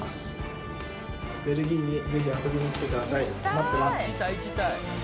待ってます！